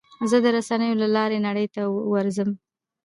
زه د رسنیو له لارې نړۍ ته ورځم.